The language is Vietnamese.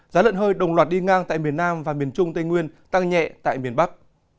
giá lợn hơi đồng loạt đi ngang tại miền nam và miền trung tây nguyên tăng nhẹ tại miền bắc